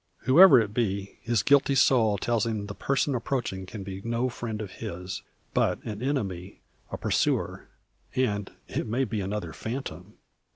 Whoever it be, his guilty soul tells him the person approaching can be no friend of his, but an enemy, a pursuer. And it may be another phantom!